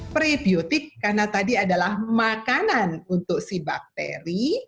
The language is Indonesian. prebiotik karena tadi adalah makanan untuk si bakteri